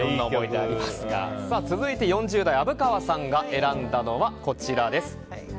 続いて、４０代虻川さんが選んだのはこちら。